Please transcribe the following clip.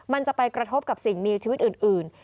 มันจะไปกระทบกับสิ่งมีชีวิตอื่น